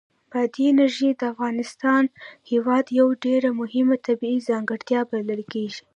بادي انرژي د افغانستان هېواد یوه ډېره مهمه طبیعي ځانګړتیا بلل کېږي.